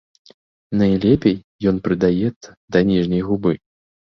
Найлепей ён прыдаецца да ніжняй губы.